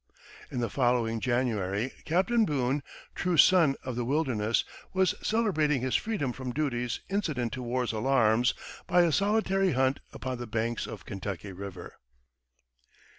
In the following January Captain Boone, true son of the wilderness, was celebrating his freedom from duties incident to war's alarms by a solitary hunt upon the banks of Kentucky River.